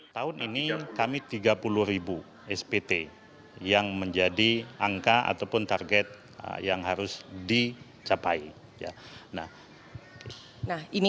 tahun ini kami tiga puluh spt yang menjadi angka ataupun target yang harus dicapai ya nah ini